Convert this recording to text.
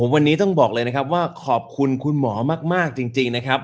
วันนี้ต้องบอกเลยนะครับว่าขอบคุณคุณหมอมากจริงนะครับ